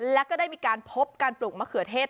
และก็ได้มีการพบการปลูกมะเขือเทศ